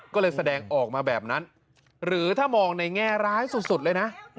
ก็เลยแสดงออกมาแบบนั้นหรือถ้ามองในแง่ร้ายสุดเลยนะ